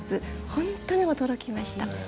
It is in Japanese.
本当に驚きました。